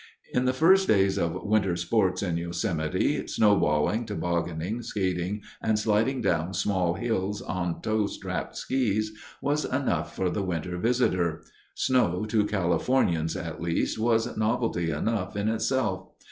"In the first days of winter sports in Yosemite, snowballing, tobogganing, skating, and sliding down small hills on toe strapped skis was enough for the winter visitor. Snow, to Californians at least, was novelty enough in itself.